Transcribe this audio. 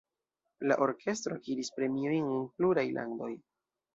La orkestro akiris premiojn en pluraj landoj.